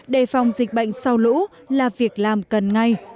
dịch bệnh sau lũ là việc làm cần ngay